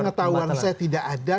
sepengetahuan saya tidak ada